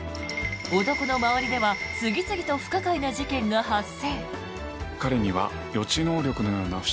男の周りでは次々と不可解な事件が発生。